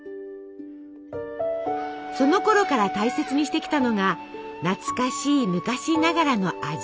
そのころから大切にしてきたのが「懐かしい昔ながらの味」。